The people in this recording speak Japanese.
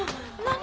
何？